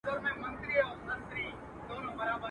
پاتا د ترانو ده غلبلې دي چي راځي.